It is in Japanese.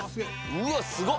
うわっすごっ！